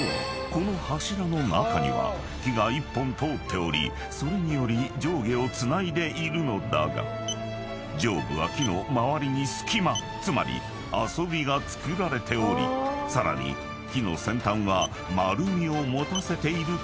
この柱の中には木が１本通っておりそれにより上下をつないでいるのだが上部は木の周りに隙間つまり遊びがつくられておりさらに木の先端は丸みを持たせていることが判明］